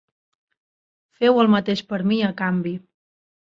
Feu el mateix per mi a canvi.